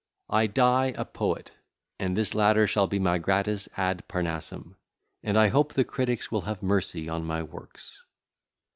I die a poet; and this ladder shall be my Gradus ad Parnassum; and I hope the critics will have mercy on my works.